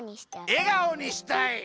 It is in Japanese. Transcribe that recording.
えがおにしたい。